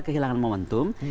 kita hilang momentum